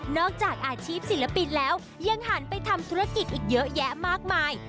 จากอาชีพศิลปินแล้วยังหันไปทำธุรกิจอีกเยอะแยะมากมาย